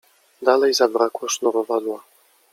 Dalej zabrakło sznurowadła.